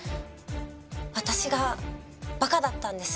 私が馬鹿だったんです。